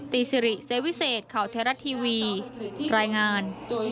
ตีซิริเซวิเศษเข่าเทราะทีวีรายงาน